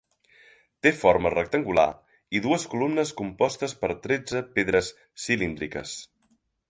Té forma rectangular i dues columnes compostes per tretze pedres cilíndriques.